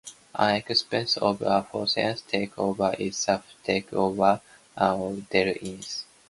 An example of a hostile takeover is the takeover of Dell Inc.